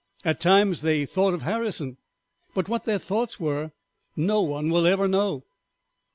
At times they thought of Harrison but what their thoughts were no one will ever know.